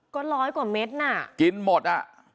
ก็ร้อยกว่าเม็ดน่ะกินหมดอ่ะ